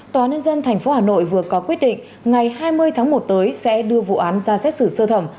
tòa nhân dân tp hà nội vừa có quyết định ngày hai mươi tháng một tới sẽ đưa vụ án ra xét xử sơ thẩm